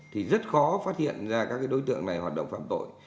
thì rất khó phát hiện ra các đối tượng này hoạt động phạm tội